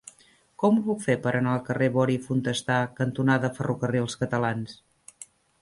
Com ho puc fer per anar al carrer Bori i Fontestà cantonada Ferrocarrils Catalans?